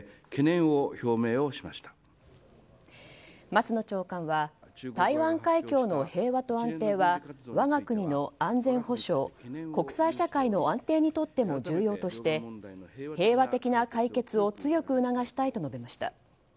松野長官は台湾海峡の平和と安定は我が国の安全保障国際社会の安定にとっても重要として平和的な解決を強く促したいと述べました。